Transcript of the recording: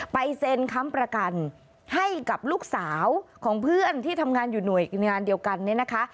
เซ็นค้ำประกันให้กับลูกสาวของเพื่อนที่ทำงานอยู่หน่วยงานเดียวกันเนี่ยนะคะ